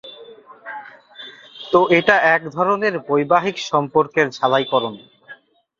তো এটা এক ধরণের বৈবাহিক সম্পর্কের ঝালাইকরণ।